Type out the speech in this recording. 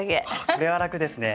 これは楽ですね。